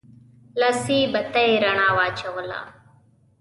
لاسي بتۍ رڼا واچوله.